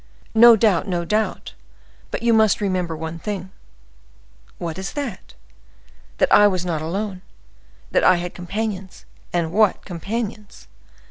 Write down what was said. "No doubt, no doubt, but you must remember one thing—" "What is that?" "That I was not alone, that I had companions; and what companions!"